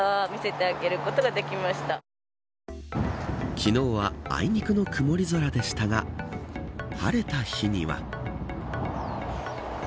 昨日はあいにくの曇り空でしたが晴れた日には。